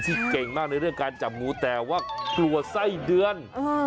เก่งมากในเรื่องการจับงูแต่ว่ากลัวไส้เดือน